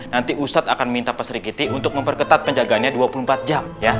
nanti ustadz akan minta peseri kiti untuk memperketat penjagaannya dua puluh empat jam ya